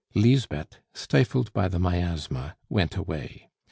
Lisbeth, stifled by the miasma, went away.